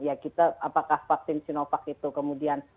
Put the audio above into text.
apakah vaksin sinovac itu kemudian